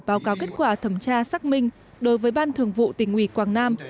báo cáo kết quả thẩm tra xác minh đối với ban thường vụ tỉnh ủy quảng nam